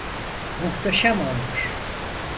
Muhteşem olmuş.